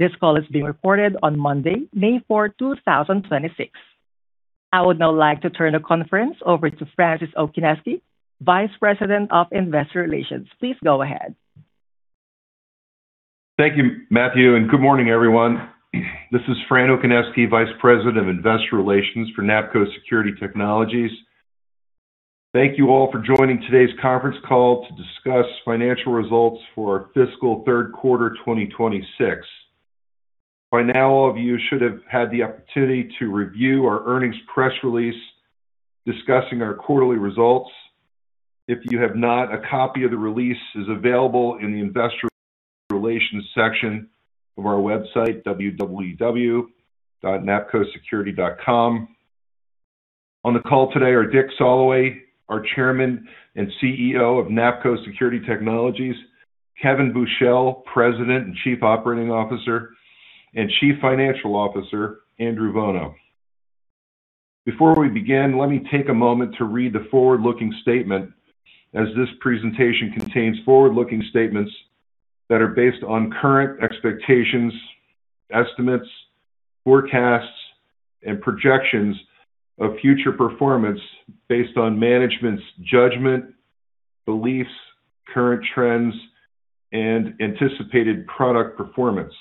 This call is being recorded on Monday, May 4, 2026. I would now like to turn the conference over to Francis Okoniewski, Vice President of Investor Relations. Please go ahead. Thank you, Matthew, and good morning, everyone. This is Fran Okoniewski, Vice President of Investor Relations for NAPCO Security Technologies. Thank you all for joining today's conference call to discuss financial results for our fiscal 3rd quarter 2026. By now, all of you should have had the opportunity to review our earnings press release discussing our quarterly results. If you have not, a copy of the release is available in the investor relations section of our website, www.napcosecurity.com. On the call today are Dick Soloway, our Chairman and CEO of NAPCO Security Technologies, Kevin Buchel, President and Chief Operating Officer, and Chief Financial Officer, Andrew Vuono. Before we begin, let me take a moment to read the forward-looking statement as this presentation contains forward-looking statements that are based on current expectations, estimates, forecasts, and projections of future performance based on management's judgment, beliefs, current trends, and anticipated product performance.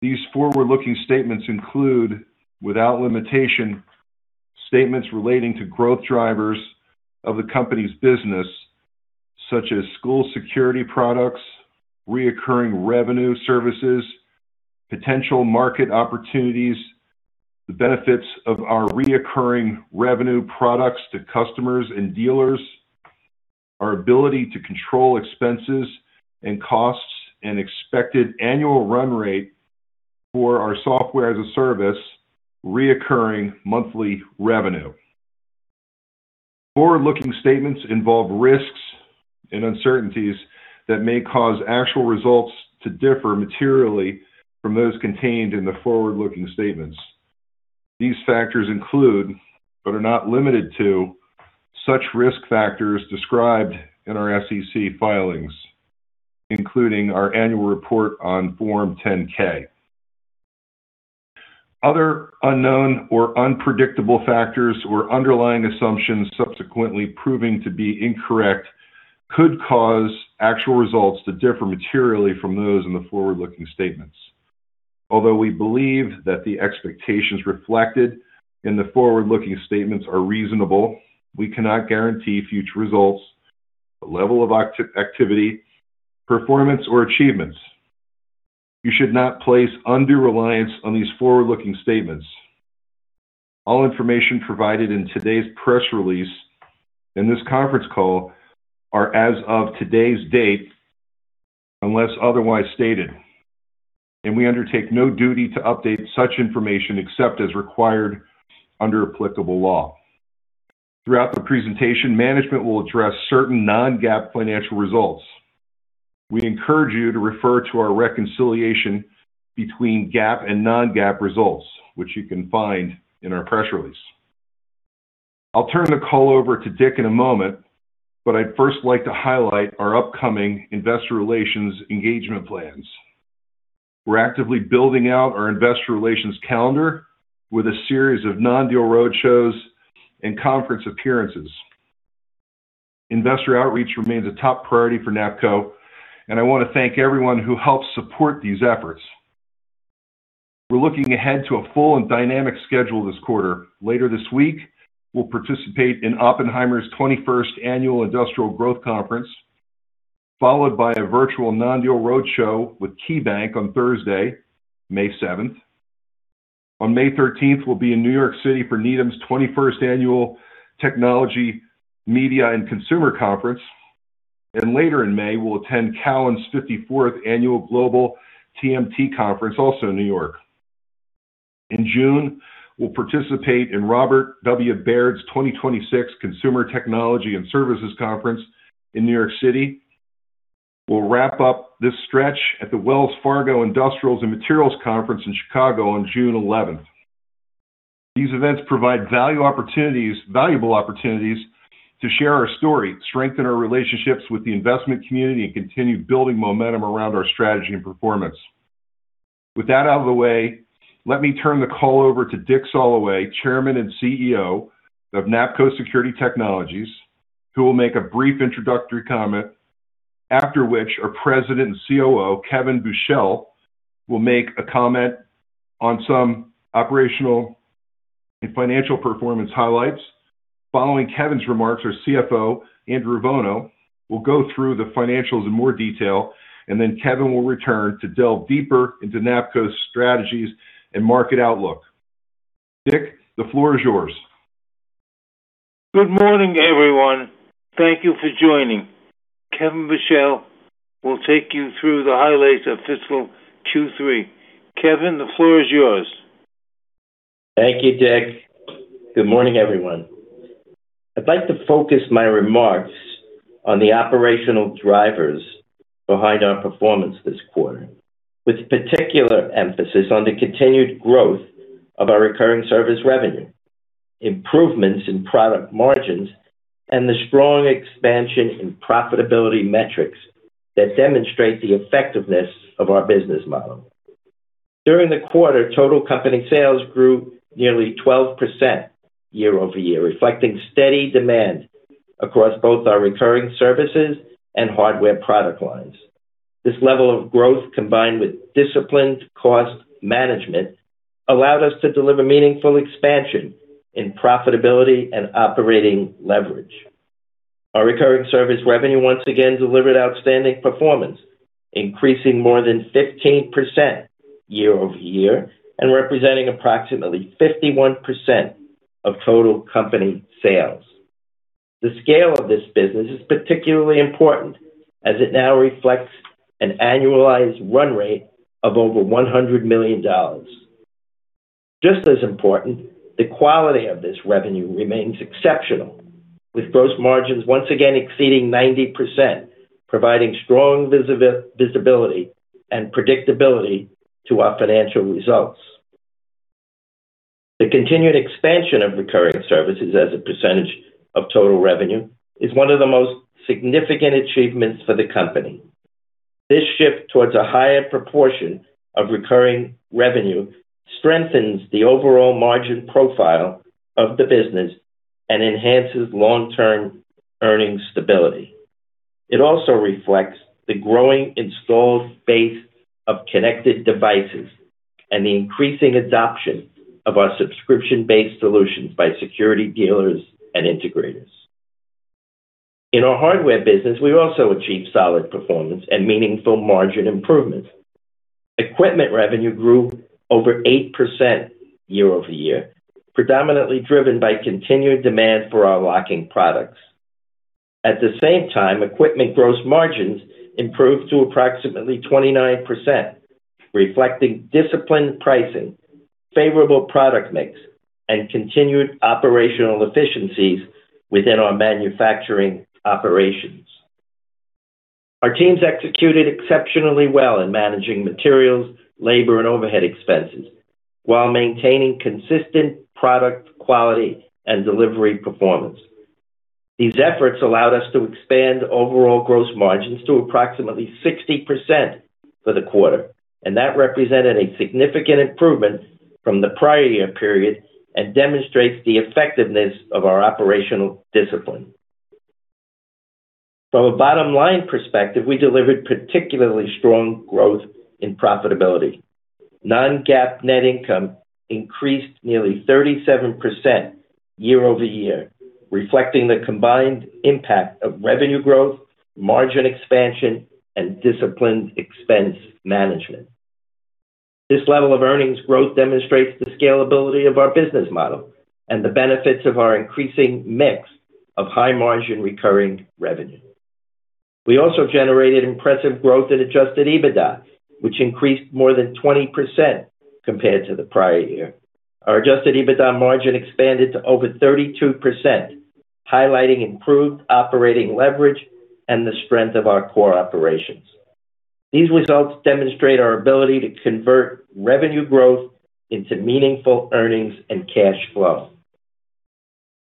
These forward-looking statements include, without limitation, statements relating to growth drivers of the company's business such as school security products, recurring revenue services, potential market opportunities, the benefits of our recurring revenue products to customers and dealers, our ability to control expenses and costs, and expected annual run rate for our Software as a Service recurring monthly revenue. Forward-looking statements involve risks and uncertainties that may cause actual results to differ materially from those contained in the forward-looking statements. These factors include, but are not limited to, such risk factors described in our SEC filings, including our annual report on Form 10-K. Other unknown or unpredictable factors or underlying assumptions subsequently proving to be incorrect could cause actual results to differ materially from those in the forward-looking statements. Although we believe that the expectations reflected in the forward-looking statements are reasonable, we cannot guarantee future results, the level of activity, performance, or achievements. You should not place undue reliance on these forward-looking statements. All information provided in today's press release and this conference call are as of today's date, unless otherwise stated, and we undertake no duty to update such information except as required under applicable law. Throughout the presentation, management will address certain non-GAAP financial results. We encourage you to refer to our reconciliation between GAAP and non-GAAP results, which you can find in our press release. I'll turn the call over to Dick in a moment. I'd first like to highlight our upcoming investor relations engagement plans. We're actively building out our investor relations calendar with a series of non-deal roadshows and conference appearances. Investor outreach remains a top priority for NAPCO, and I wanna thank everyone who helps support these efforts. We're looking ahead to a full and dynamic schedule this quarter. Later this week, we'll participate in Oppenheimer's 21st Annual Industrial Growth Conference, followed by a virtual non-deal roadshow with KeyBank on Thursday, May 7th. On May 13th, we'll be in New York City for Needham's 21st Annual Technology, Media, and Consumer Conference. Later in May, we'll attend Cowen's 54th Annual Global TMT Conference, also in New York. In June, we'll participate in Robert W. Baird's 2026 Consumer Technology and Services Conference in New York City. We'll wrap up this stretch at the Wells Fargo Industrials and Materials Conference in Chicago on June 11th. These events provide valuable opportunities to share our story, strengthen our relationships with the investment community, and continue building momentum around our strategy and performance. With that out of the way, let me turn the call over to Dick Soloway, Chairman and CEO of NAPCO Security Technologies, who will make a brief introductory comment. After which, our President and COO, Kevin Buchel, will make a comment on some operational and financial performance highlights. Following Kevin's remarks, our CFO, Andrew Vuono, will go through the financials in more detail, and then Kevin will return to delve deeper into NAPCO's strategies and market outlook. Dick, the floor is yours. Good morning, everyone. Thank you for joining. Kevin Buchel will take you through the highlights of fiscal Q3. Kevin, the floor is yours. Thank you, Dick. Good morning, everyone. I'd like to focus my remarks on the operational drivers behind our performance this quarter, with particular emphasis on the continued growth of our recurring service revenue, improvements in product margins, and the strong expansion in profitability metrics that demonstrate the effectiveness of our business model. During the quarter, total company sales grew nearly 12% year-over-year, reflecting steady demand across both our recurring services and hardware product lines. This level of growth, combined with disciplined cost management, allowed us to deliver meaningful expansion in profitability and operating leverage. Our recurring service revenue once again delivered outstanding performance, increasing more than 15% year-over-year and representing approximately 51% of total company sales. The scale of this business is particularly important as it now reflects an annualized run rate of over $100 million. Just as important, the quality of this revenue remains exceptional, with gross margins once again exceeding 90%, providing strong visibility and predictability to our financial results. The continued expansion of recurring services as a percentage of total revenue is one of the most significant achievements for the company. This shift towards a higher proportion of recurring revenue strengthens the overall margin profile of the business and enhances long-term earnings stability. It also reflects the growing installed base of connected devices and the increasing adoption of our subscription-based solutions by security dealers and integrators. In our hardware business, we also achieved solid performance and meaningful margin improvement. Equipment revenue grew over 8% year-over-year, predominantly driven by continued demand for our locking products. At the same time, equipment gross margins improved to approximately 29%, reflecting disciplined pricing, favorable product mix, and continued operational efficiencies within our manufacturing operations. Our teams executed exceptionally well in managing materials, labor, and overhead expenses while maintaining consistent product quality and delivery performance. These efforts allowed us to expand overall gross margins to approximately 60% for the quarter, that represented a significant improvement from the prior year period and demonstrates the effectiveness of our operational discipline. From a bottom-line perspective, we delivered particularly strong growth in profitability. Non-GAAP net income increased nearly 37% year-over-year, reflecting the combined impact of revenue growth, margin expansion, and disciplined expense management. This level of earnings growth demonstrates the scalability of our business model and the benefits of our increasing mix of high-margin recurring revenue. We also generated impressive growth in adjusted EBITDA, which increased more than 20% compared to the prior year. Our adjusted EBITDA margin expanded to over 32%, highlighting improved operating leverage and the strength of our core operations. These results demonstrate our ability to convert revenue growth into meaningful earnings and cash flow.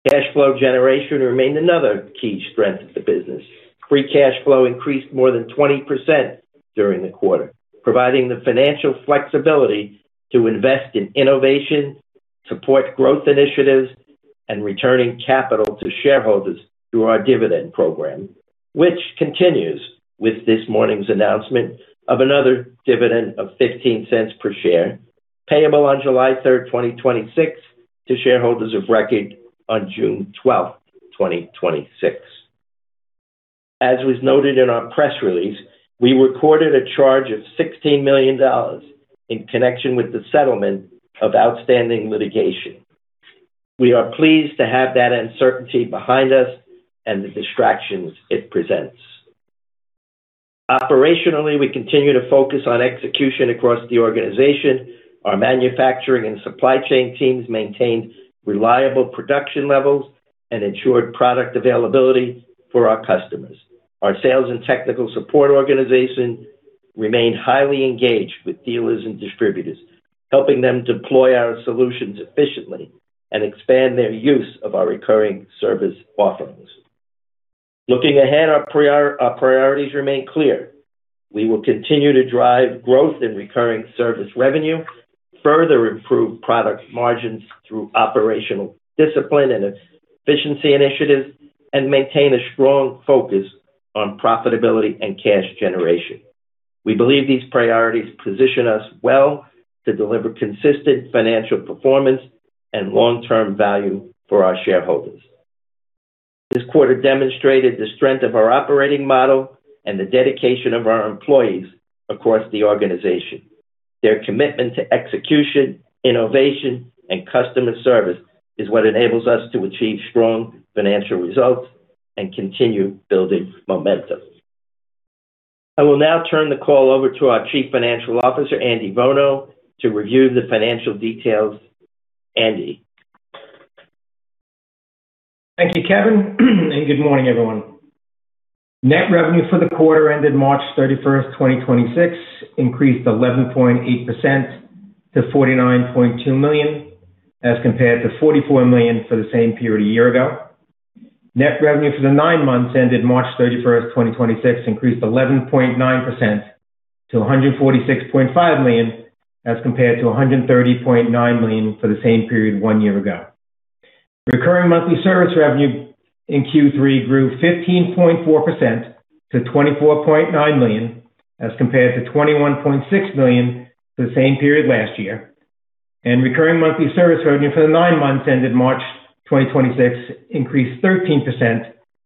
Cash flow generation remained another key strength of the business. Free cash flow increased more than 20% during the quarter, providing the financial flexibility to invest in innovation, support growth initiatives, and returning capital to shareholders through our dividend program, which continues with this morning's announcement of another dividend of $0.15 per share, payable on July 3rd, 2026 to shareholders of record on June 12, 2026. As was noted in our press release, we recorded a charge of $16 million in connection with the settlement of outstanding litigation. We are pleased to have that uncertainty behind us and the distractions it presents. Operationally, we continue to focus on execution across the organization. Our manufacturing and supply chain teams maintained reliable production levels and ensured product availability for our customers. Our sales and technical support organization remained highly engaged with dealers and distributors, helping them deploy our solutions efficiently and expand their use of our recurring service offerings. Looking ahead, our priorities remain clear. We will continue to drive growth in recurring service revenue, further improve product margins through operational discipline and efficiency initiatives, and maintain a strong focus on profitability and cash generation. We believe these priorities position us well to deliver consistent financial performance and long-term value for our shareholders. This quarter demonstrated the strength of our operating model and the dedication of our employees across the organization. Their commitment to execution, innovation, and customer service is what enables us to achieve strong financial results and continue building momentum. I will now turn the call over to our Chief Financial Officer, Andy Vuono, to review the financial details. Andy? Thank you, Kevin. Good morning, everyone. Net revenue for the quarter ended March 31st, 2026 increased 11.8% to $49.2 million, as compared to $44 million for the same period a year ago. Net revenue for the nine months ended March 31st, 2026 increased 11.9% to $146.5 million, as compared to $130.9 million for the same period one year ago. Recurring monthly service revenue in Q3 grew 15.4% to $24.9 million, as compared to $21.6 million the same period last year. Recurring monthly service revenue for the nine months ended March 2026 increased 13%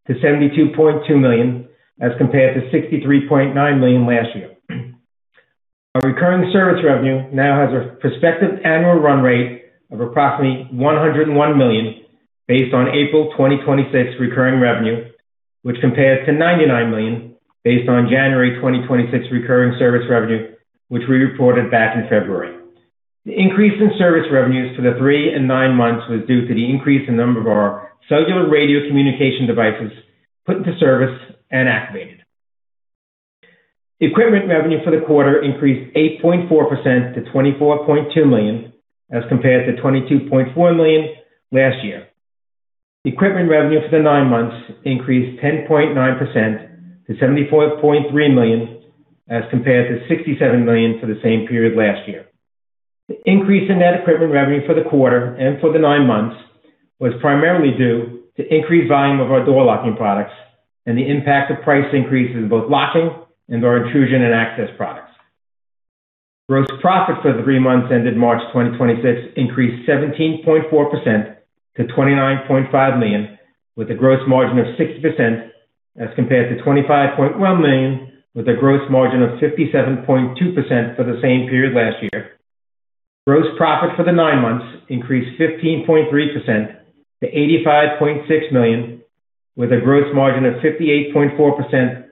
to $72.2 million, as compared to $63.9 million last year. Our recurring service revenue now has a prospective annual run rate of approximately $101 million based on April 2026 recurring revenue, which compares to $99 million based on January 2026 recurring service revenue, which we reported back in February. The increase in service revenues for the three and nine months was due to the increase in number of our cellular radio communication devices put into service and activated. The equipment revenue for the quarter increased 8.4% to $24.2 million, as compared to $22.4 million last year. The equipment revenue for the nine months increased 10.9% to $74.3 million, as compared to $67 million for the same period last year. The increase in net equipment revenue for the quarter and for the nine months was primarily due to increased volume of our door locking products and the impact of price increases in both locking and our intrusion and access products. Gross profit for the three months ended March 2026 increased 17.4% to $29.5 million with a gross margin of 60%, as compared to $25.1 million with a gross margin of 57.2% for the same period last year. Gross profit for the nine months increased 15.3% to $85.6 million with a gross margin of 58.4%,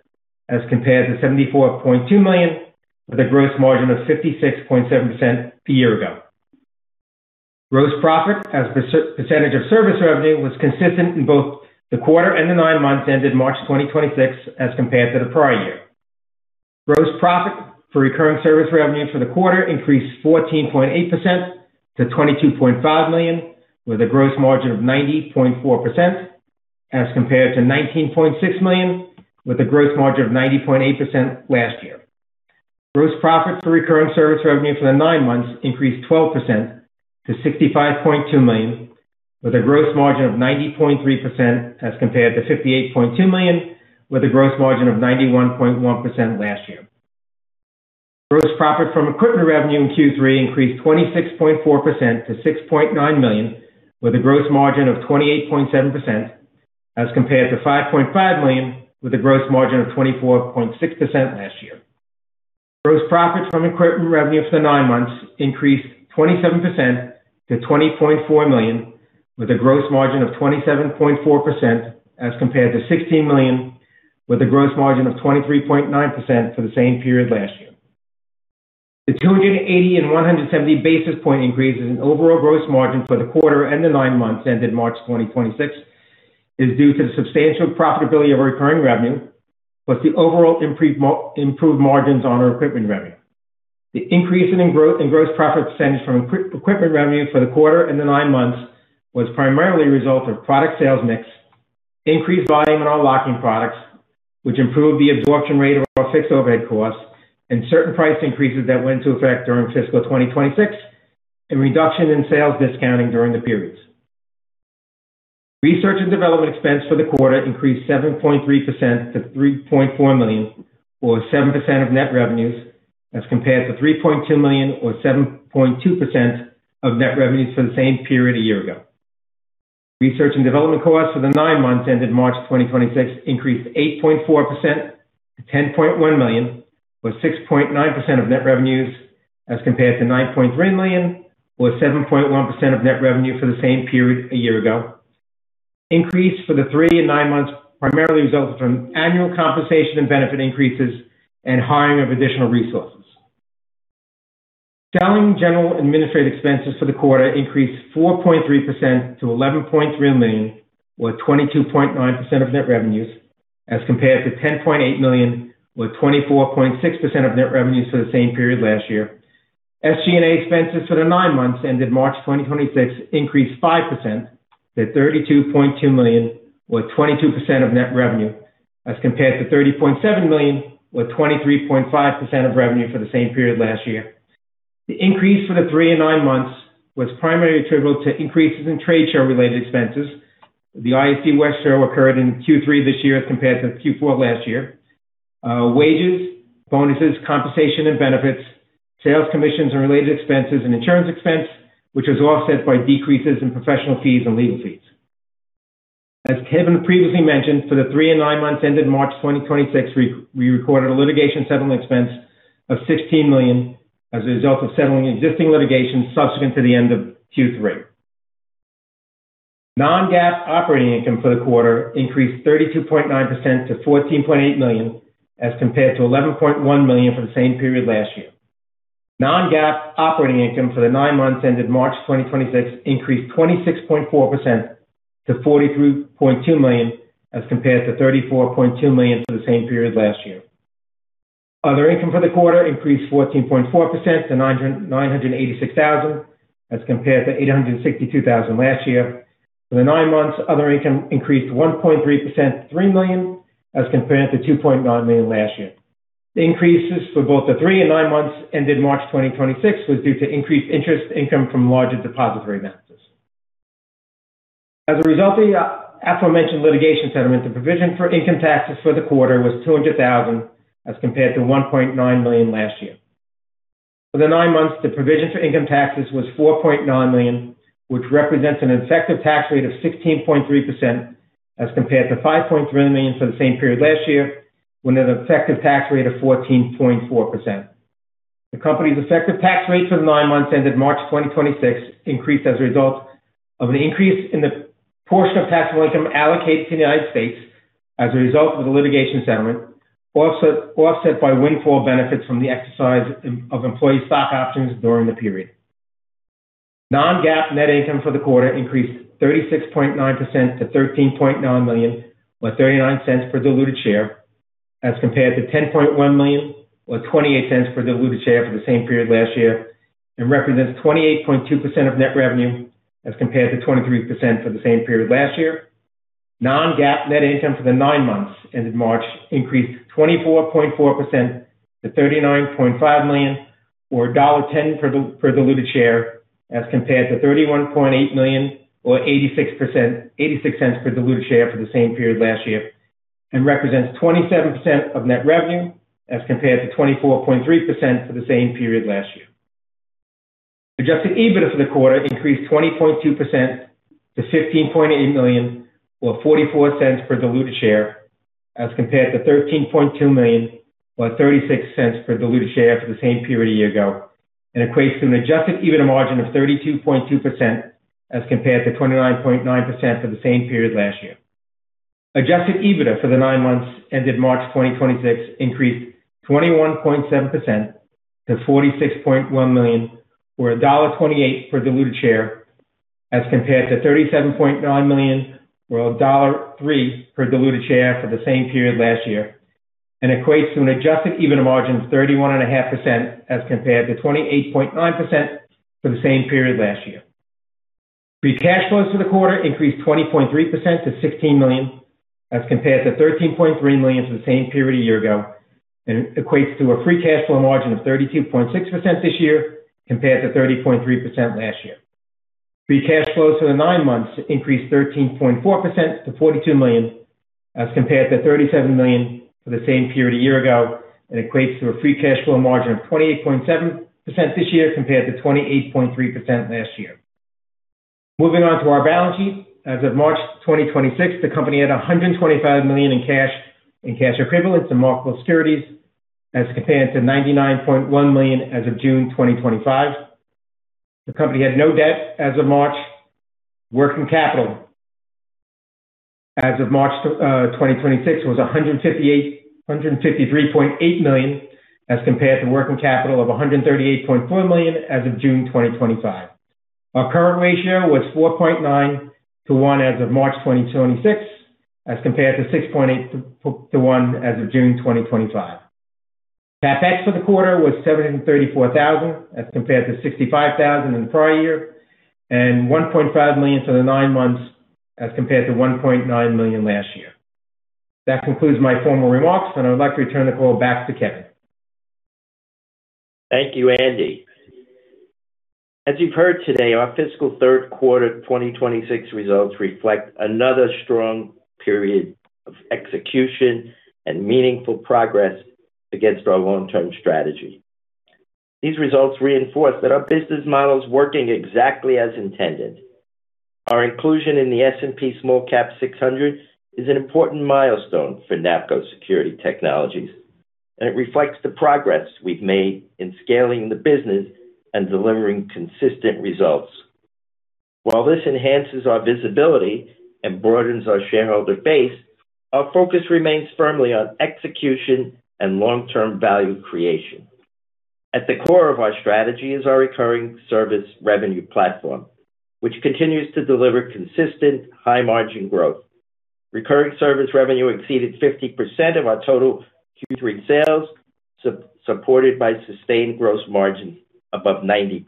as compared to $74.2 million with a gross margin of 56.7% a year ago. Gross profit as percentage of service revenue was consistent in both the quarter and the nine months ended March 2026 as compared to the prior year. Gross profit for recurring service revenue for the quarter increased 14.8% to $22.5 million with a gross margin of 90.4% as compared to $19.6 million with a gross margin of 90.8% last year. Gross profit for recurring service revenue for the nine months increased 12% to $65.2 million with a gross margin of 90.3% as compared to $58.2 million with a gross margin of 91.1% last year. Gross profit from equipment revenue in Q3 increased 26.4% to $6.9 million with a gross margin of 28.7% as compared to $5.5 million with a gross margin of 24.6% last year. Gross profit from equipment revenue for the nine months increased 27% to $20.4 million with a gross margin of 27.4% as compared to $16 million with a gross margin of 23.9% for the same period last year. The 280 and 170 basis point increases in overall gross margin for the quarter and the nine months ended March 2026 is due to the substantial profitability of our recurring revenue, plus the overall improved margins on our equipment revenue. The increase in gross profit percentage from equipment revenue for the quarter and the nine months was primarily a result of product sales mix, increased volume in our locking products, which improved the absorption rate of our fixed overhead costs, certain price increases that went into effect during fiscal 2026, and reduction in sales discounting during the periods. Research and development expense for the quarter increased 7.3% to $3.4 million, or 7% of net revenues, as compared to $3.2 million or 7.2% of net revenues for the same period a year ago. Research and development costs for the nine months ended March 2026 increased 8.4% to $10.1 million or 6.9% of net revenues, as compared to $9.3 million or 7.1% of net revenue for the same period a year ago. Increase for the three and nine months primarily resulted from annual compensation and benefit increases and hiring of additional resources. Selling, general, and administrative expenses for the quarter increased 4.3% to $11.3 million, or 22.9% of net revenues, as compared to $10.8 million or 24.6% of net revenues for the same period last year. SG&A expenses for the nine months ended March 2026 increased 5% to $32.2 million, or 22% of net revenue, as compared to $30.7 million or 23.5% of revenue for the same period last year. The increase for the three and nine months was primarily attributable to increases in trade show related expenses. The ISC West Show occurred in Q3 this year as compared to Q4 of last year. Wages, bonuses, compensation and benefits, sales commissions and related expenses and insurance expense, which was offset by decreases in professional fees and legal fees. As Kevin previously mentioned, for the three and nine months ended March 2026, we recorded a litigation settlement expense of $16 million as a result of settling existing litigation subsequent to the end of Q3. Non-GAAP operating income for the quarter increased 32.9% to $14.8 million, as compared to $11.1 million for the same period last year. Non-GAAP operating income for the nine months ended March 2026 increased 26.4% to $43.2 million, as compared to $34.2 million for the same period last year. Other income for the quarter increased 14.4% to $986,000, as compared to $862,000 last year. For the nine months, other income increased 1.3% to $3 million, as compared to $2.9 million last year. The increases for both the three and nine months ended March 2026 was due to increased interest income from larger depository balances. As a result of the aforementioned litigation settlement, the provision for income taxes for the quarter was $200,000, as compared to $1.9 million last year. For the nine months, the provision for income taxes was $4.9 million, which represents an effective tax rate of 16.3%, as compared to $5.3 million for the same period last year, with an effective tax rate of 14.4%. The company's effective tax rate for the nine months ended March 2026 increased as a result of an increase in the portion of taxable income allocated to the United States as a result of the litigation settlement, offset by windfall benefits from the exercise of employee stock options during the period. Non-GAAP net income for the quarter increased 36.9% to $13.9 million, or $0.39 per diluted share, as compared to $10.1 million, or $0.28 per diluted share for the same period last year, and represents 28.2% of net revenue, as compared to 23% for the same period last year. Non-GAAP net income for the nine months ended March increased 24.4% to $39.5 million, or $1.10 per diluted share, as compared to $31.8 million or $0.86 per diluted share for the same period last year, and represents 27% of net revenue, as compared to 24.3% for the same period last year. Adjusted EBITDA for the quarter increased 20.2% to $15.8 million or $0.44 per diluted share, as compared to $13.2 million or $0.36 per diluted share for the same period a year ago, and equates to an adjusted EBITDA margin of 32.2% as compared to 29.9% for the same period last year. Adjusted EBITDA for the nine months ended March 2026 increased 21.7% to $46.1 million or $1.28 per diluted share, as compared to $37.9 million or $1.03 per diluted share for the same period last year, and equates to an adjusted EBITDA margin of 31.5% as compared to 28.9% for the same period last year. Free cash flows for the quarter increased 20.3% to $16 million, as compared to $13.3 million for the same period a year ago, and equates to a free cash flow margin of 32.6% this year compared to 30.3% last year. Free cash flows for the nine months increased 13.4% to $42 million, as compared to $37 million for the same period a year ago, and equates to a free cash flow margin of 28.7% this year compared to 28.3% last year. Moving on to our balance sheet. As of March 2026, the company had $125 million in cash and cash equivalents and marketable securities, as compared to $99.1 million as of June 2025. The company had no debt as of March. Working capital as of March 2026 was $153.8 million, as compared to working capital of $138.4 million as of June 2025. Our current ratio was 4.9 to 1 as of March 2026, as compared to 6.8 to 1 as of June 2025. CapEx for the quarter was $734,000, as compared to $65,000 in the prior year, and $1.5 million for the nine months as compared to $1.9 million last year. That concludes my formal remarks. I would like to return the call back to Kevin. Thank you, Andy. As you've heard today, our fiscal 3rd quarter 2026 results reflect another strong period of execution and meaningful progress against our long-term strategy. These results reinforce that our business model is working exactly as intended. Our inclusion in the S&P SmallCap 600 is an important milestone for NAPCO Security Technologies, and it reflects the progress we've made in scaling the business and delivering consistent results. While this enhances our visibility and broadens our shareholder base, our focus remains firmly on execution and long-term value creation. At the core of our strategy is our recurring service revenue platform, which continues to deliver consistent high-margin growth. Recurring service revenue exceeded 50% of our total Q3 sales, supported by sustained gross margin above 90%,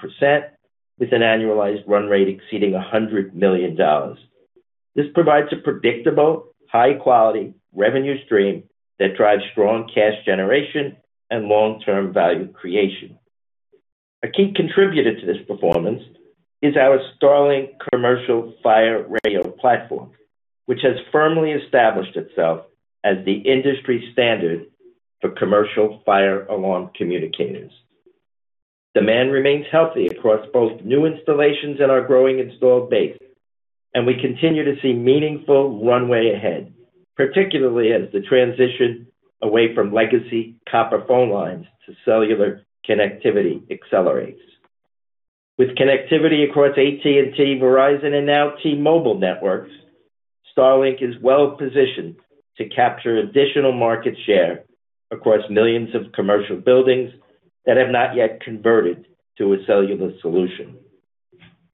with an annualized run rate exceeding $100 million. This provides a predictable, high-quality revenue stream that drives strong cash generation and long-term value creation. A key contributor to this performance is our StarLink Fire Commercial Fire Radio Platform, which has firmly established itself as the industry standard for commercial fire alarm communicators. Demand remains healthy across both new installations and our growing installed base, and we continue to see meaningful runway ahead, particularly as the transition away from legacy copper phone lines to cellular connectivity accelerates. With connectivity across AT&T, Verizon, and now T-Mobile networks, StarLink is well-positioned to capture additional market share across millions of commercial buildings that have not yet converted to a cellular solution.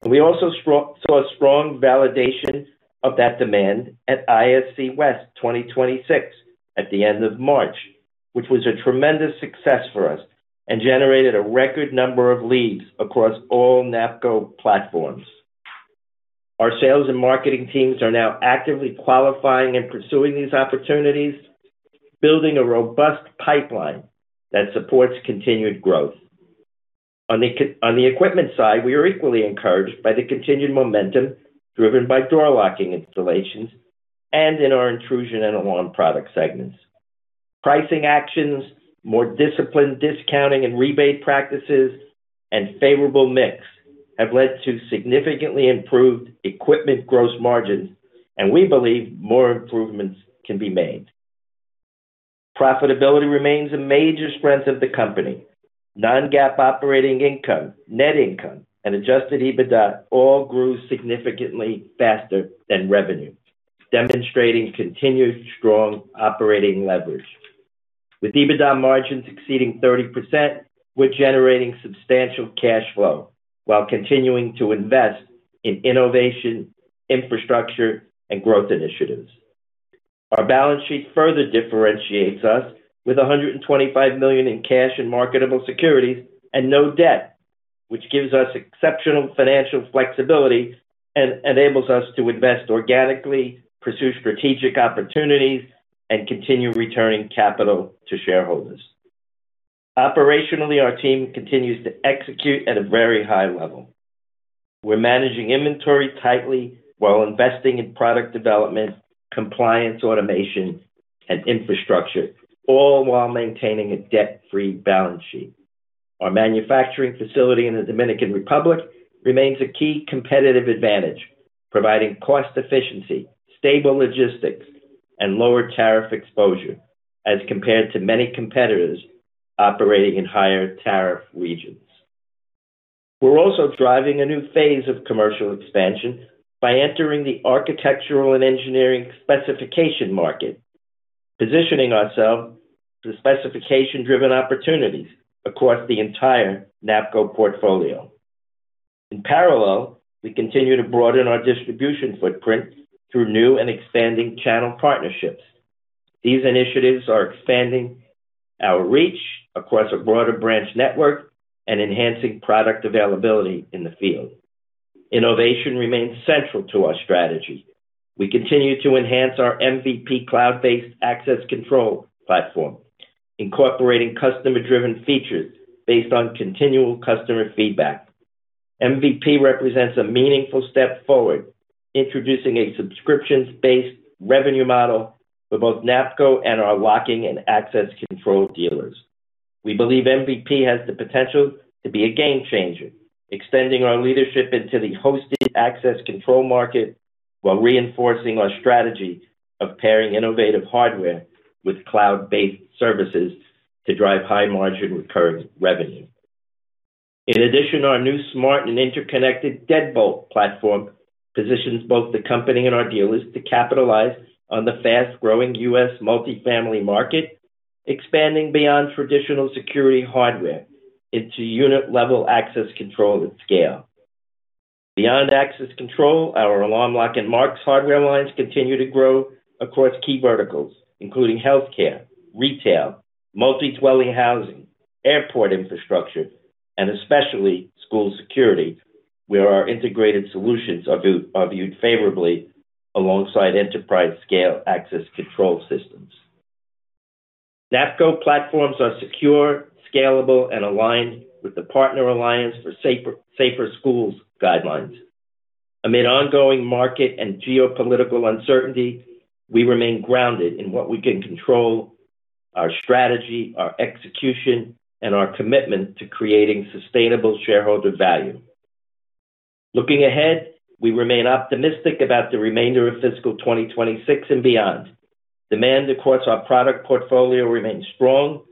We also saw strong validation of that demand at ISC West 2026 at the end of March, which was a tremendous success for us and generated a record number of leads across all NAPCO platforms. Our sales and marketing teams are now actively qualifying and pursuing these opportunities, building a robust pipeline that supports continued growth. On the equipment side, we are equally encouraged by the continued momentum driven by door locking installations and in our intrusion and alarm product segments. Pricing actions, more disciplined discounting and rebate practices, and favorable mix have led to significantly improved equipment gross margins, and we believe more improvements can be made. Profitability remains a major strength of the company. Non-GAAP operating income, net income, and adjusted EBITDA all grew significantly faster than revenue, demonstrating continued strong operating leverage. With EBITDA margins exceeding 30%, we're generating substantial cash flow while continuing to invest in innovation, infrastructure, and growth initiatives. Our balance sheet further differentiates us with $125 million in cash and marketable securities and no debt, which gives us exceptional financial flexibility and enables us to invest organically, pursue strategic opportunities, and continue returning capital to shareholders. Operationally, our team continues to execute at a very high level. We're managing inventory tightly while investing in product development, compliance automation, and infrastructure, all while maintaining a debt-free balance sheet. Our manufacturing facility in the Dominican Republic remains a key competitive advantage, providing cost efficiency, stable logistics, and lower tariff exposure as compared to many competitors operating in higher tariff regions. We're also driving a new phase of commercial expansion by entering the architectural and engineering specification market, positioning ourselves for specification-driven opportunities across the entire NAPCO portfolio. In parallel, we continue to broaden our distribution footprint through new and expanding channel partnerships. These initiatives are expanding our reach across a broader branch network and enhancing product availability in the field. Innovation remains central to our strategy. We continue to enhance our MVP Cloud-Based Access Control Platform, incorporating customer-driven features based on continual customer feedback. MVP represents a meaningful step forward, introducing a subscriptions-based revenue model for both NAPCO and our locking and access control dealers. We believe MVP has the potential to be a game changer, extending our leadership into the hosted access control market while reinforcing our strategy of pairing innovative hardware with cloud-based services to drive high-margin recurring revenue. In addition, our new smart and interconnected deadbolt platform positions both the company and our dealers to capitalize on the fast-growing U.S. multifamily market, expanding beyond traditional security hardware into unit-level access control at scale. Beyond access control, our Alarm Lock and Marks hardware lines continue to grow across key verticals, including healthcare, retail, multi-dwelling housing, airport infrastructure, and especially school security, where our integrated solutions are viewed favorably alongside enterprise-scale access control systems. NAPCO platforms are secure, scalable, and aligned with the Partner Alliance for Safer Schools guidelines. Amid ongoing market and geopolitical uncertainty, we remain grounded in what we can control: our strategy, our execution, and our commitment to creating sustainable shareholder value. Looking ahead, we remain optimistic about the remainder of fiscal 2026 and beyond. Demand across our product portfolio remains strong,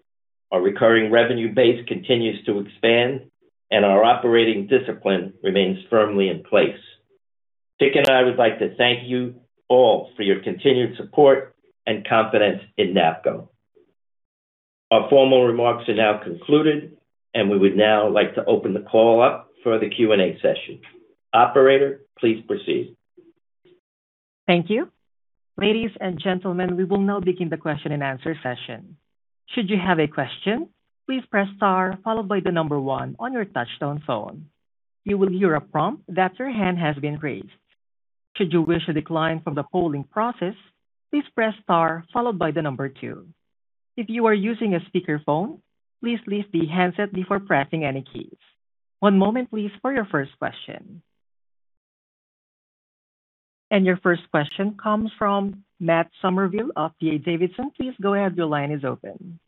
our recurring revenue base continues to expand, and our operating discipline remains firmly in place. Dick and I would like to thank you all for your continued support and confidence in NAPCO. Our formal remarks are now concluded, and we would now like to open the call up for the Q&A session. Operator, please proceed. Thank you. Ladies and gentlemen, we will now begin the question-and-answer session. Should you have a question, please press star followed by one on your touch-tone phone. You will hear a prompt that your hand has been raised. Should you wish to decline from the polling process, please press star followed by two. If you are using a speakerphone, please leave the handset before pressing any keys. One moment, please, for your first question. Your first question comes from Matt Summerville of D.A. Davidson. Please go ahead. Your line is open.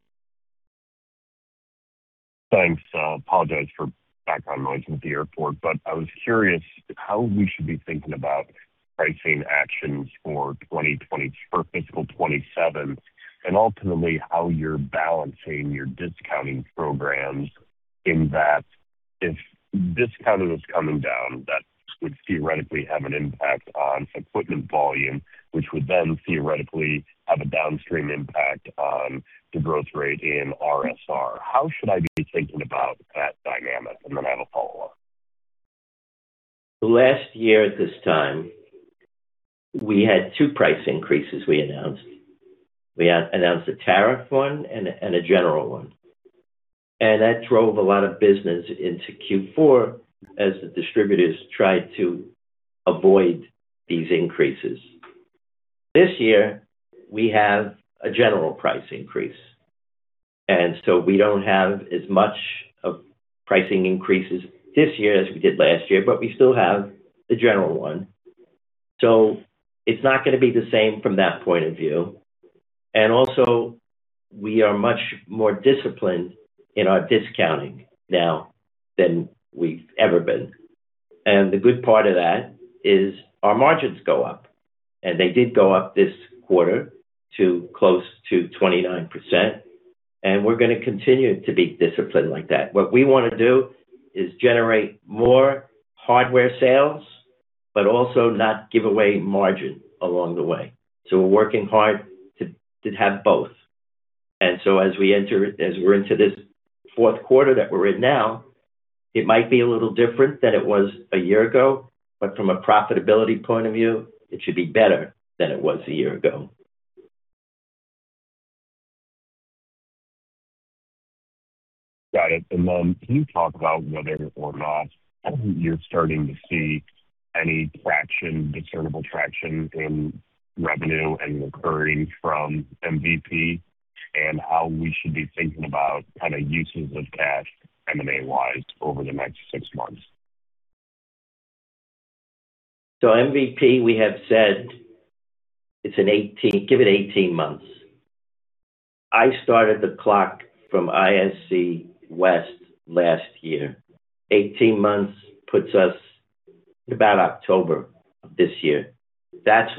Thanks. I apologize for background noise at the airport, but I was curious how we should be thinking about pricing actions for fiscal 2027 and ultimately how you're balancing your discounting programs in that, If discounting is coming down, that would theoretically have an impact on equipment volume, which would then theoretically have a downstream impact on the growth rate in RSR. How should I be thinking about that dynamic? Then I have a follow-up. Last year at this time, we had two price increases we announced. We announced a tariff one and a general one. That drove a lot of business into Q4 as the distributors tried to avoid these increases. This year, we have a general price increase, we don't have as much of pricing increases this year as we did last year, but we still have the general one. It's not gonna be the same from that point of view. Also, we are much more disciplined in our discounting now than we've ever been. The good part of that is our margins go up, and they did go up this quarter to close to 29%, and we're gonna continue to be disciplined like that. What we wanna do is generate more hardware sales, but also not give away margin along the way. We're working hard to have both. As we're into this fourth quarter that we're in now, it might be a little different than it was a year ago, but from a profitability point of view, it should be better than it was a year ago. Got it. Then can you talk about whether or not you're starting to see any traction, discernible traction in revenue and recurring from MVP and how we should be thinking about kinda uses of cash M&A-wise over the next six months? MVP, we have said it's 18 months. I started the clock from ISC West last year. 18 months puts us about October of this year. That's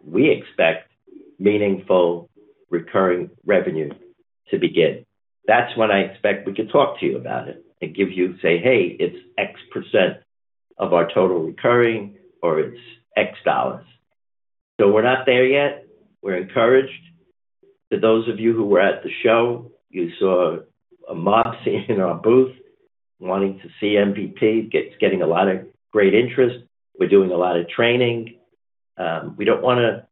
when we expect meaningful recurring revenue to begin. That's when I expect we could talk to you about it and give you, say, "Hey, it's X% of our total recurring," or, "It's $X." We're not there yet. We're encouraged. To those of you who were at the show, you saw a mob scene in our booth wanting to see MVP. It's getting a lot of great interest. We're doing a lot of training. We don't wanna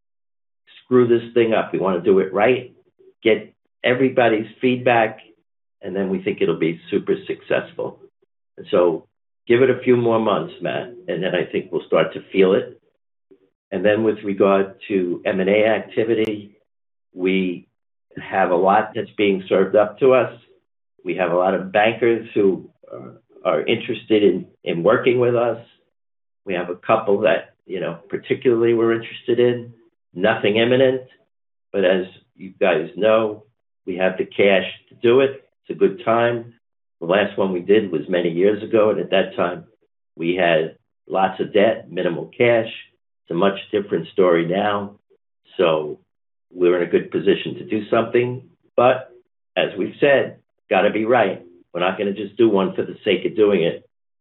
screw this thing up. We wanna do it right, get everybody's feedback, and then we think it'll be super successful. Give it a few more months, Matt, and then I think we'll start to feel it. With regard to M&A activity, we have a lot that's being served up to us. We have a lot of bankers who are interested in working with us. We have a couple that, you know, particularly we're interested in. Nothing imminent, as you guys know, we have the cash to do it. It's a good time. The last one we did was many years ago, at that time, we had lots of debt, minimal cash. It's a much different story now, we're in a good position to do something. As we've said, gotta be right. We're not gonna just do one for the sake of doing it.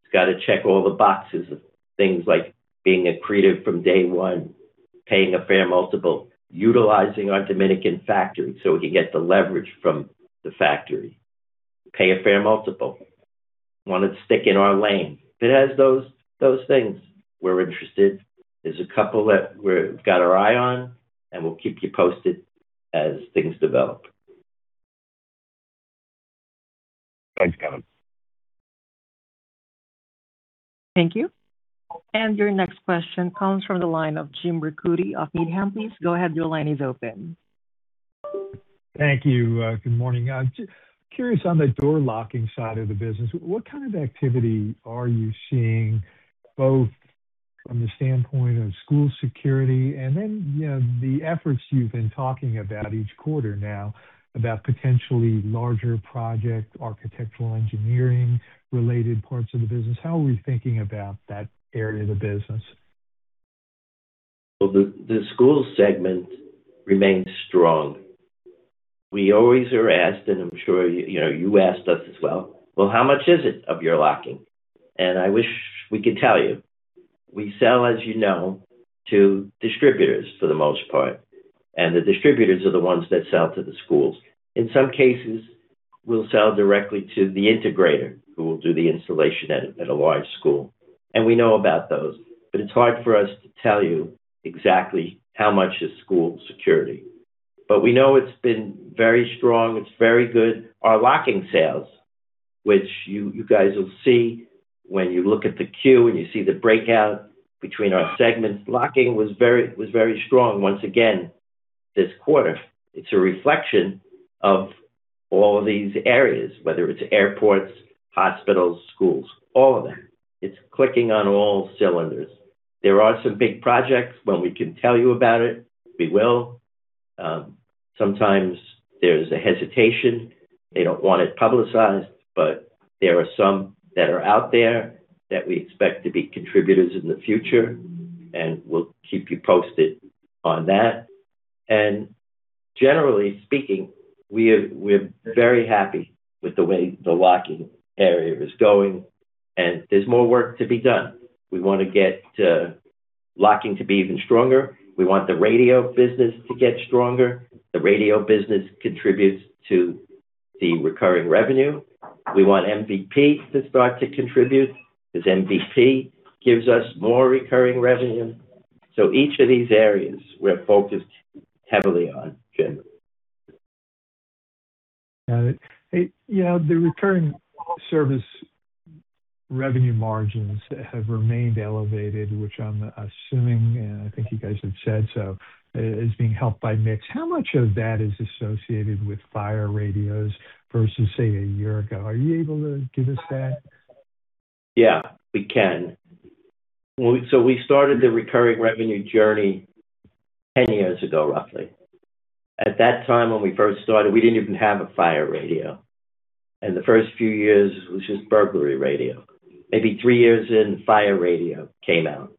It's gotta check all the boxes of things like being accretive from day one, paying a fair multiple, utilizing our Dominican factory we can get the leverage from the factory. Pay a fair multiple. Wanna stick in our lane. If it has those things, we're interested. There's a couple that we've got our eye on. We'll keep you posted as things develop. Thanks, Kevin. Thank you. Your next question comes from the line of Jim Ricchiuti of Needham. Please go ahead. Your line is open. Thank you. Good morning. Curious on the door locking side of the business, what kind of activity are you seeing both from the standpoint of school security and then, you know, the efforts you've been talking about each quarter now about potentially larger project, architectural engineering-related parts of the business? How are we thinking about that area of the business? The school segment remains strong. We always are asked, and I'm sure, you know, you asked us as well, "Well, how much is it of your Locking?" I wish we could tell you. We sell, as you know, to distributors for the most part, and the distributors are the ones that sell to the schools. In some cases, we'll sell directly to the integrator who will do the installation at a large school, and we know about those. It's hard for us to tell you exactly how much is school security. We know it's been very strong. It's very good. Our Locking sales, which you guys will see when you look at the Q and you see the breakout between our segments, Locking was very strong once again this quarter. It's a reflection of all these areas, whether it's airports, hospitals, schools, all of that. It's clicking on all cylinders. There are some big projects. When we can tell you about it, we will. Sometimes there's a hesitation. They don't want it publicized, but there are some that are out there that we expect to be contributors in the future, and we'll keep you posted on that. Generally speaking, we're very happy with the way the locking area is going, and there's more work to be done. We wanna get locking to be even stronger. We want the radio business to get stronger. The radio business contributes to the recurring revenue. We want MVP to start to contribute 'cause MVP gives us more recurring revenue. Each of these areas we're focused heavily on generally. Got it. Hey, you know, the recurring service revenue margins have remained elevated, which I'm assuming, I think you guys have said so, is being helped by mix. How much of that is associated with fire radios versus, say, a year ago? Are you able to give us that? Yeah, we can. We started the recurring revenue journey 10 years ago, roughly. At that time when we first started, we didn't even have a fire radio, and the first few years was just burglary radio. Maybe three years in, fire radio came out,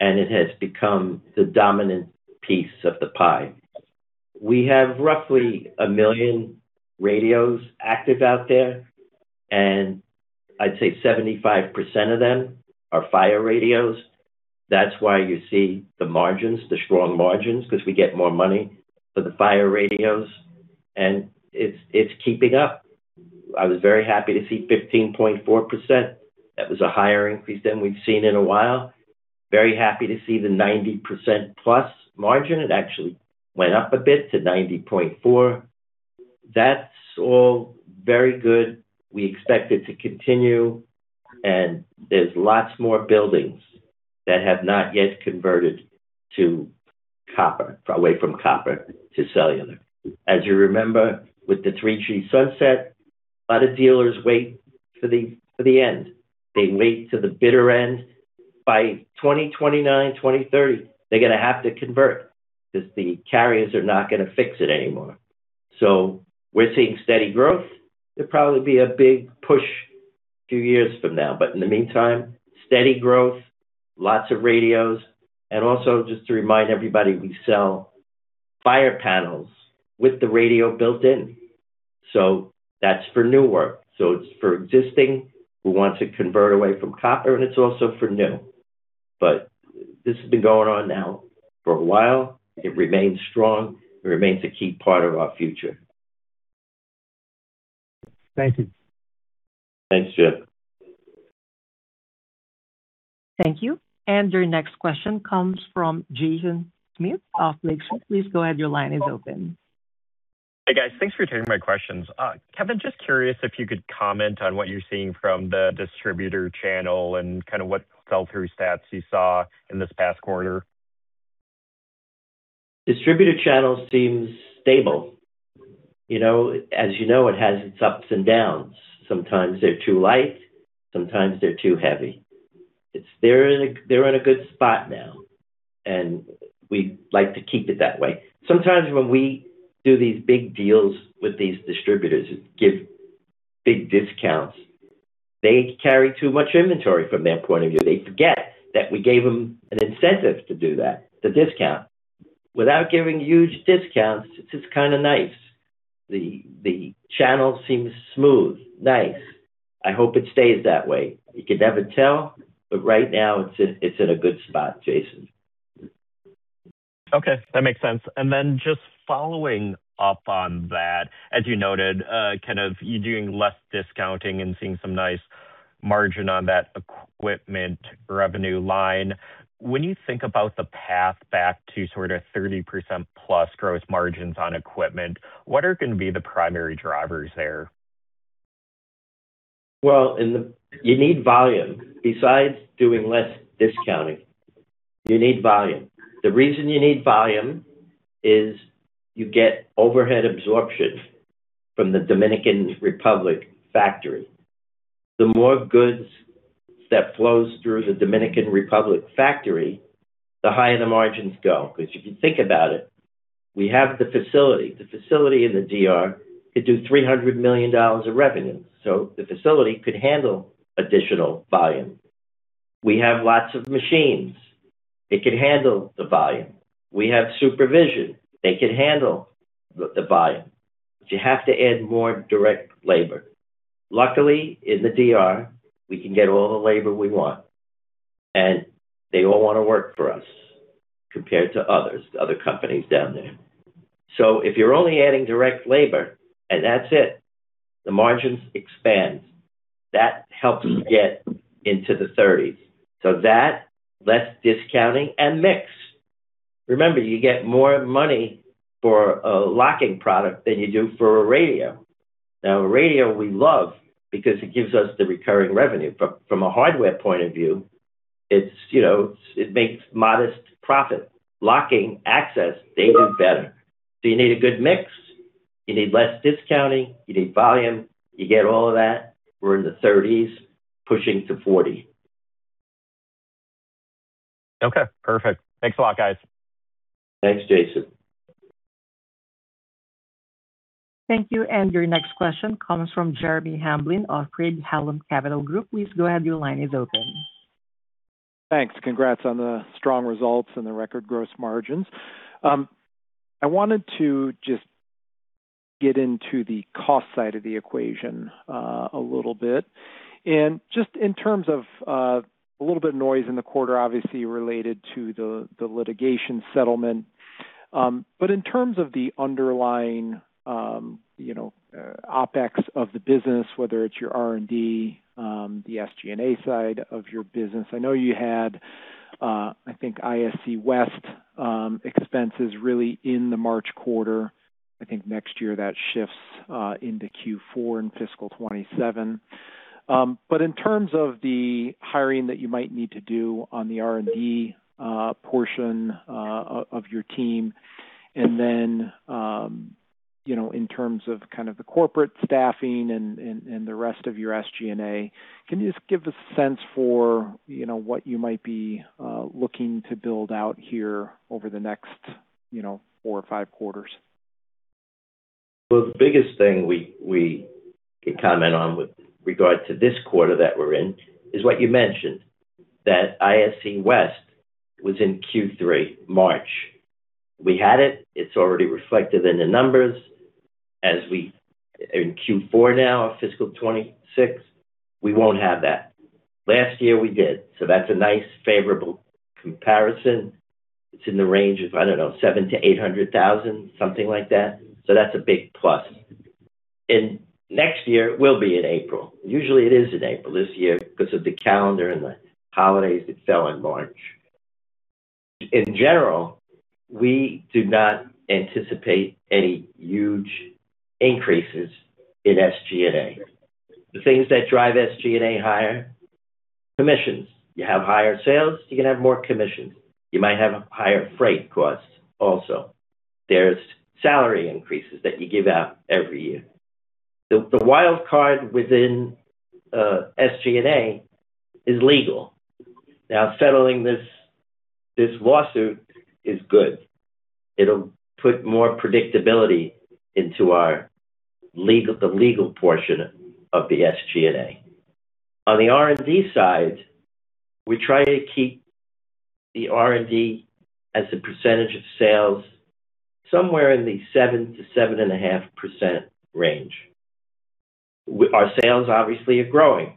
and it has become the dominant piece of the pie. We have roughly 1 million radios active out there, and I'd say 75% of them are fire radios. That's why you see the margins, the strong margins, 'cause we get more money for the fire radios, and it's keeping up. I was very happy to see 15.4%. That was a higher increase than we've seen in a while. Very happy to see the 90%+ margin. It actually went up a bit to 90.4%. That's all very good. We expect it to continue. There's lots more buildings that have not yet converted to copper, away from copper to cellular. As you remember, with the 3G sunset, a lot of dealers wait for the end. They wait to the bitter end. By 2029, 2030, they're gonna have to convert 'cause the carriers are not gonna fix it anymore. We're seeing steady growth. There'll probably be a big push few years from now, but in the meantime, steady growth, lots of radios. Also, just to remind everybody, we sell fire panels with the radio built in, so that's for new work. It's for existing, who wants to convert away from copper, and it's also for new. This has been going on now for a while. It remains strong. It remains a key part of our future. Thank you. Thanks, Jim. Thank you. Your next question comes from Jaeson Schmidt of Lake Street. Please go ahead. Hey, guys. Thanks for taking my questions. Kevin, just curious if you could comment on what you're seeing from the distributor channel and kinda what sell-through stats you saw in this past quarter? Distributor channel seems stable. You know, as you know, it has its ups and downs. Sometimes they're too light, sometimes they're too heavy. They're in a good spot now. We'd like to keep it that way. Sometimes when we do these big deals with these distributors, give big discounts, they carry too much inventory from their point of view. They forget that we gave them an incentive to do that, the discount. Without giving huge discounts, it's just kind of nice. The channel seems smooth, nice. I hope it stays that way. You can never tell. Right now it's in a good spot, Jaeson. Okay. That makes sense. Then just following up on that, as you noted, kind of you doing less discounting and seeing some nice margin on that equipment revenue line. When you think about the path back to sort of 30%+ gross margins on equipment, what are gonna be the primary drivers there? Well, you need volume. Besides doing less discounting, you need volume. The reason you need volume is you get overhead absorption from the Dominican Republic factory. The more goods that flows through the Dominican Republic factory, the higher the margins go. 'Cause if you think about it, we have the facility. The facility in the DR could do $300 million of revenue. The facility could handle additional volume. We have lots of machines. It could handle the volume. We have supervision. They could handle the volume. You have to add more direct labor. Luckily, in the DR, we can get all the labor we want, and they all wanna work for us compared to other companies down there. If you're only adding direct labor, and that's it, the margins expand. That helps get into the 30s. That, less discounting, and mix. Remember, you get more money for a locking product than you do for a radio. A radio we love because it gives us the recurring revenue. From a hardware point of view, it's, you know, it makes modest profit. Locking access, they do better. You need a good mix. You need less discounting. You need volume. You get all of that, we're in the 30s pushing to 40. Okay. Perfect. Thanks a lot, guys. Thanks, Jaeson. Thank you. Your next question comes from Jeremy Hamblin of Craig-Hallum Capital Group. Please go ahead. Your line is open. Thanks. Congrats on the strong results and the record gross margins. I wanted to just get into the cost side of the equation a little bit. Just in terms of a little bit of noise in the quarter obviously related to the litigation settlement. In terms of the underlying, you know, OpEx of the business, whether it's your R&D, the SG&A side of your business. I know you had, I think ISC West expenses really in the March quarter. I think next year that shifts into Q4 in fiscal 2027. In terms of the hiring that you might need to do on the R&D portion of your team and then, you know, in terms of kind of the corporate staffing and the rest of your SG&A, can you just give a sense for, you know, what you might be looking to build out here over the next, you know, four or five quarters? Well, the biggest thing we can comment on with regard to this quarter that we're in is what you mentioned, that ISC West was in Q3, March. We had it. It's already reflected in the numbers. In Q4 now of fiscal 2026, we won't have that. Last year we did, so that's a nice favorable comparison. It's in the range of, I don't know, $700,000-$800,000, something like that. That's a big plus. In next year, it will be in April. Usually it is in April. This year, because of the calendar and the holidays, it fell in March. In general, we do not anticipate any huge increases in SG&A. The things that drive SG&A higher, commissions. You have higher sales, you're gonna have more commissions. You might have higher freight costs also. There's salary increases that you give out every year. The wild card within SG&A is legal. Settling this lawsuit is good. It'll put more predictability into the legal portion of the SG&A. On the R&D side, we try to keep the R&D as a percentage of sales somewhere in the 7%-7.5% range. Our sales obviously are growing,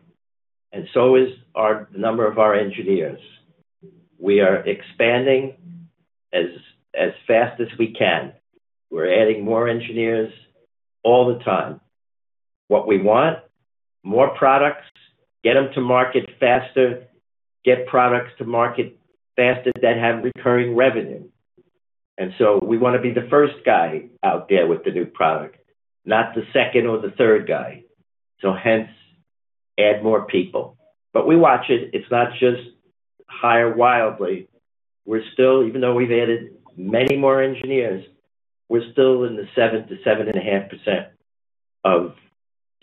and so is the number of our engineers. We are expanding as fast as we can. We're adding more engineers all the time. What we want, more products, get them to market faster, get products to market faster that have recurring revenue. We wanna be the first guy out there with the new product, not the second or the third guy. Add more people. We watch it. It's not just hire wildly. We're still, even though we've added many more engineers, we're still in the 7%-7.5% of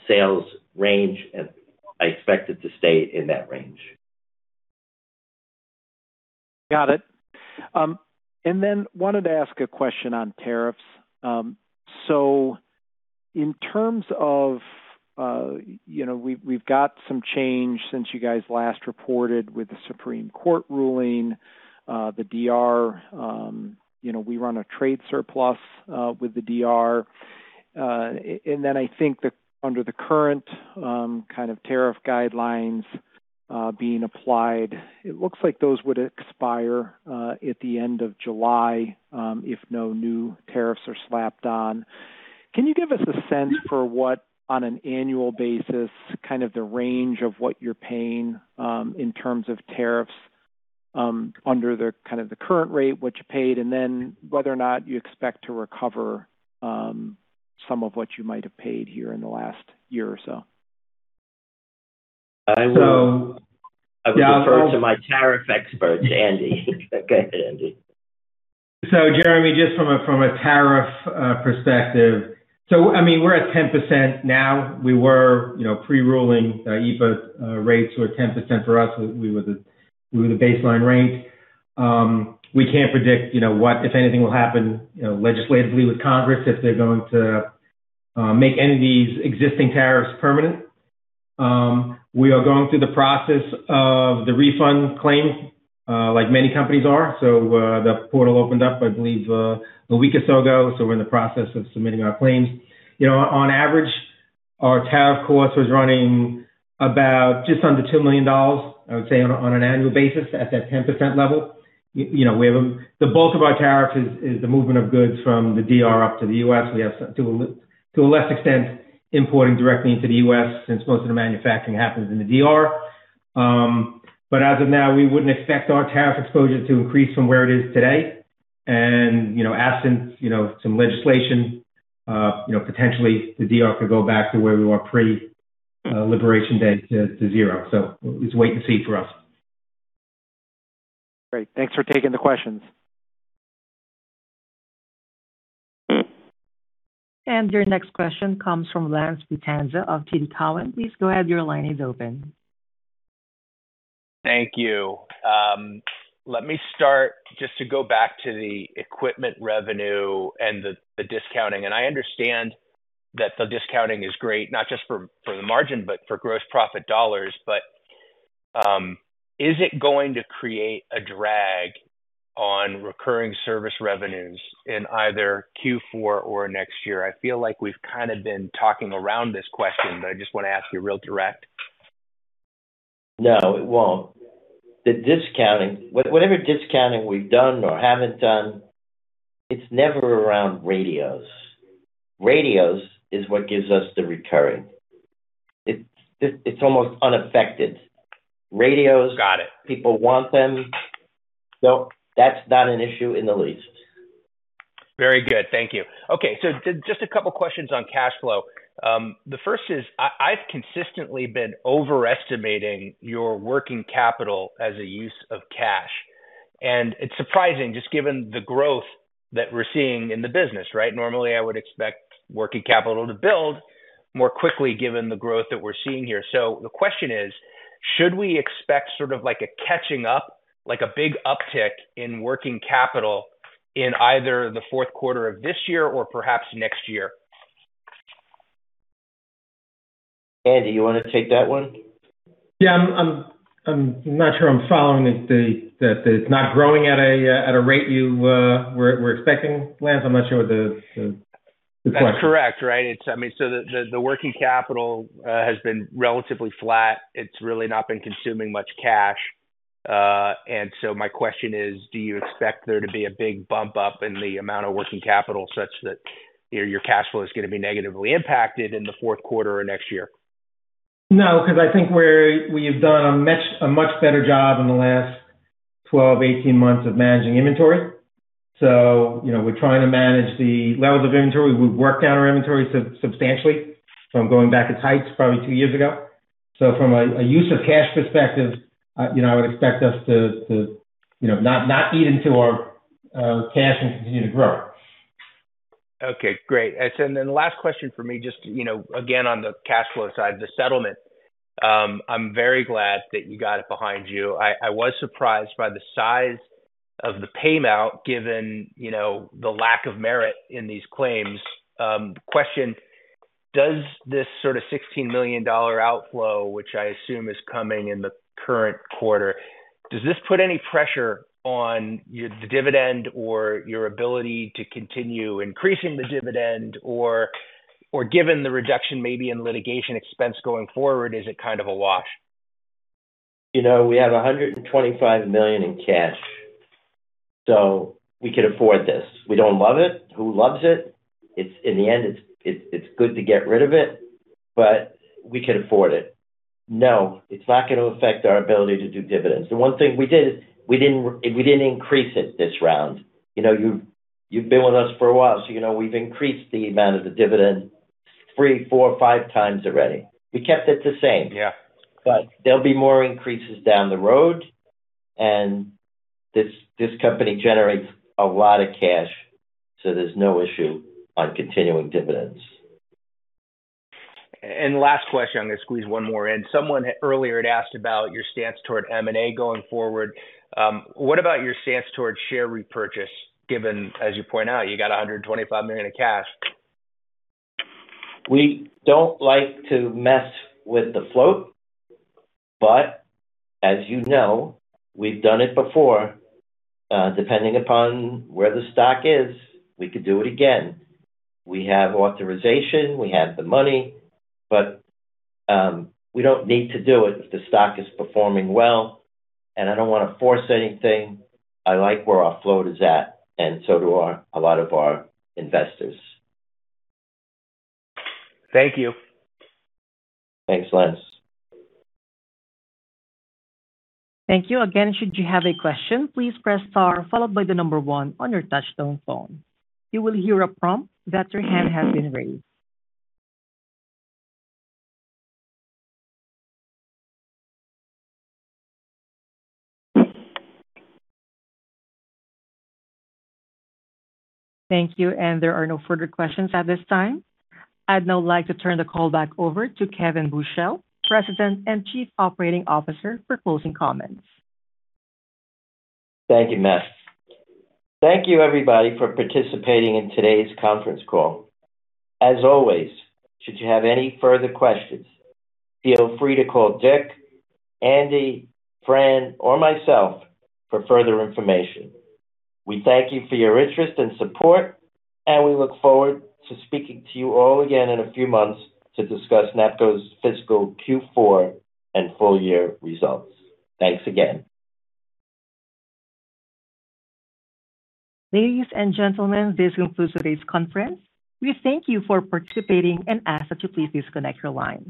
sales range, and I expect it to stay in that range. Got it. Wanted to ask a question on tariffs. In terms of, you know, we've got some change since you guys last reported with the Supreme Court ruling, the DR, you know, we run a trade surplus with the DR. I think that under the current kind of tariff guidelines being applied, it looks like those would expire at the end of July if no new tariffs are slapped on. Can you give us a sense for what, on an annual basis, kind of the range of what you're paying in terms of tariffs under the kind of the current rate, what you paid, and then whether or not you expect to recover some of what you might have paid here in the last year or so? I will- So- I will defer to my tariff expert, Andy. Go ahead, Andy. Jeremy, just from a, from a tariff perspective. I mean, we're at 10% now. We were, you know, pre-ruling, IEEPA rates were 10% for us. We were the baseline rate. We can't predict, you know, what, if anything, will happen, you know, legislatively with Congress, if they're going to make any of these existing tariffs permanent. We are going through the process of the refund claim, like many companies are. The portal opened up, I believe, a week or so ago, so we're in the process of submitting our claims. You know, on average, our tariff cost was running about just under $2 million, I would say, on an annual basis at that 10% level. You know, we have The bulk of our tariff is the movement of goods from the D.R. up to the U.S. We have, to a less extent, importing directly into the U.S. since most of the manufacturing happens in the D.R. As of now, we wouldn't expect our tariff exposure to increase from where it is today. You know, absent, you know, some legislation, you know, potentially the D.R. could go back to where we were pre liberation day to zero. It's wait and see for us. Great. Thanks for taking the questions. Your next question comes from Lance Vitanza of TD Cowen. Please go ahead. Your line is open. Thank you. Let me start just to go back to the equipment revenue and the discounting. I understand that the discounting is great, not just for the margin, but for gross profit dollars. Is it going to create a drag on recurring service revenues in either Q4 or next year? I feel like we've kind of been talking around this question, but I just want to ask you real direct. No, it won't. Whatever discounting we've done or haven't done, it's never around radios. Radios is what gives us the recurring. It's almost unaffected. Got it. People want them. That's not an issue in the least. Very good. Thank you. Okay, just a couple questions on cash flow. The first is I've consistently been overestimating your working capital as a use of cash, and it's surprising just given the growth that we're seeing in the business, right? Normally, I would expect working capital to build more quickly given the growth that we're seeing here. The question is: Should we expect sort of like a catching up, like a big uptick in working capital in either the fourth quarter of this year or perhaps next year? Andy, you wanna take that one? Yeah. I'm not sure I'm following that it's not growing at a rate you, we're expecting, Lance. I'm not sure what the question is. That's correct, right? It's, I mean, the working capital has been relatively flat. It's really not been consuming much cash. My question is: Do you expect there to be a big bump up in the amount of working capital such that, you know, your cash flow is gonna be negatively impacted in the fourth quarter or next year? No, 'cause I think we have done a much better job in the last 12, 18 months of managing inventory. You know, we're trying to manage the levels of inventory. We've worked down our inventory substantially from going back to heights probably two years ago. From a use of cash perspective, you know, I would expect us to, you know, not eat into our cash and continue to grow. Okay, great. Last question for me, just, you know, again, on the cash flow side, the settlement. I'm very glad that you got it behind you. I was surprised by the size of the payout given, you know, the lack of merit in these claims. Does this sort of $16 million outflow, which I assume is coming in the current quarter, put any pressure on your the dividend or your ability to continue increasing the dividend? Or given the reduction maybe in litigation expense going forward, is it kind of a wash? You know, we have $125 million in cash. We could afford this. We don't love it. Who loves it? It's, in the end, it's good to get rid of it, but we can afford it. No, it's not gonna affect our ability to do dividends. The one thing we did is we didn't increase it this round. You know, you've been with us for a while, so you know we've increased the amount of the dividend three, four, five times already. We kept it the same. Yeah. There'll be more increases down the road, and this company generates a lot of cash, so there's no issue on continuing dividends. Last question, I'm going to squeeze one more in. Someone earlier had asked about your stance toward M&A going forward. What about your stance towards share repurchase, given, as you point out, you got $125 million in cash? We don't like to mess with the float, but as you know, we've done it before. Depending upon where the stock is, we could do it again. We have authorization, we have the money, but we don't need to do it if the stock is performing well, and I don't wanna force anything. I like where our float is at and so do a lot of our investors. Thank you. Thanks, Lance. Thank you. Thank you, and there are no further questions at this time. I'd now like to turn the call back over to Kevin Buchel, President and Chief Operating Officer, for closing comments. Thank you, Matt. Thank you everybody for participating in today's conference call. As always, should you have any further questions, feel free to call Dick, Andy, Fran, or myself for further information. We thank you for your interest and support, and we look forward to speaking to you all again in a few months to discuss NAPCO's fiscal Q4 and full year results. Thanks again. Ladies and gentlemen, this concludes today's conference. We thank you for participating and ask that you please disconnect your lines.